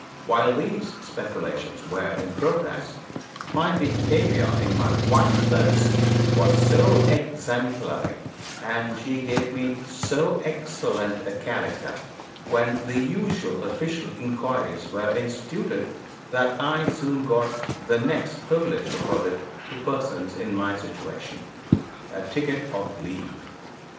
While these speculations were in progress, my behavior in my wife's service was so exemplary, and she gave me so excellent a character when the usual official inquiries were instituted, that I soon got the next privilege accorded to persons in my situation a ticket of leave.